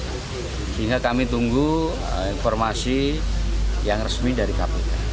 sehingga kami tunggu informasi yang resmi dari kpk